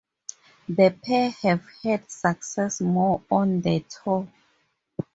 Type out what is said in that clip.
The pair have had success more on the tour.